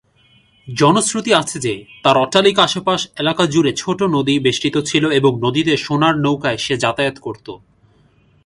জনশ্রুতি আছে যে, তার অট্টালিকা আশপাশ এলাকা জুড়ে ছোট নদী বেষ্টিত ছিল এবং নদীতে সোনার নৌকায় সে যাতায়াত করতো।